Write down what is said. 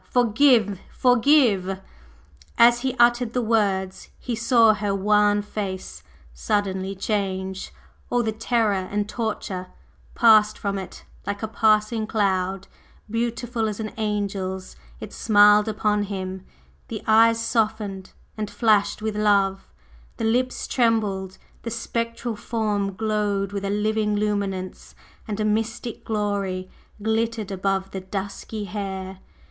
Forgive forgive!" As he uttered the words, he saw her wan face suddenly change, all the terror and torture passed from it like a passing cloud, beautiful as an angel's, it smiled upon him, the eyes softened and flashed with love, the lips trembled, the spectral form glowed with a living luminance, and a mystic Glory glittered above the dusky hair!